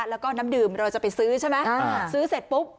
แล้วก็น้ำดื่มเราจะไปซื้อใช่ไหมซื้อเสร็จปุ๊บ